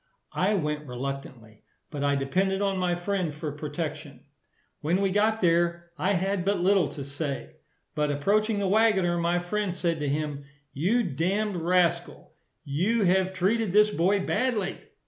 I went reluctantly; but I depended on my friend for protection. When we got there, I had but little to say; but approaching the waggoner, my friend said to him, "You damn'd rascal, you have treated this boy badly."